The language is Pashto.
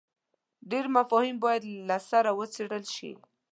ډېر مفاهیم باید له سره وڅېړل شي.